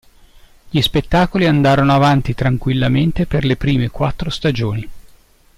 Gli spettacoli andarono avanti tranquillamente per le prime quattro stagioni.